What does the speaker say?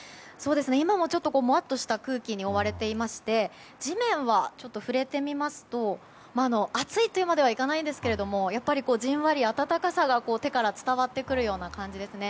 今も、もわっとした空気に覆われていまして地面は触れてみますと熱いとまではいかないんですがじんわり暖かさが手から伝わってくるような感じですね。